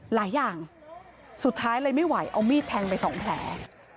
หลายอย่างสุดท้ายเลยไม่ไหวเอามีดแทงไปสองแผล